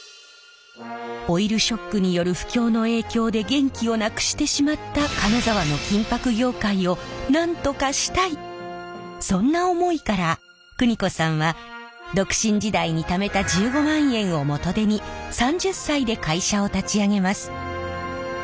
オイルショックによる不況の影響で元気をなくしてしまったそんな思いから邦子さんは独身時代にためた１５万円を元手に３０歳で会社を立ち上げます。